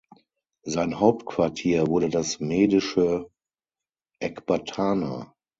Sein Hauptquartier wurde das medische Ekbatana.